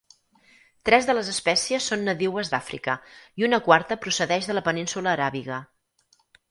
Tres de les espècies són nadiues d'Àfrica i una quarta procedeix de la Península Aràbiga.